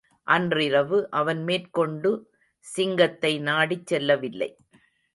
அன்றிரவு அவன் மேற்கொண்டு சிங்கத்தை நாடிச் செல்லவில்லை.